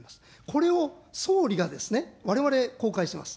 これを総理がですね、われわれ、公開します。